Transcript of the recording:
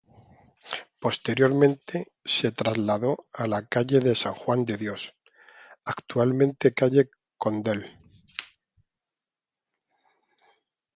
Posteriormente, se trasladó a la calle San Juan de Dios —actual calle Condell—.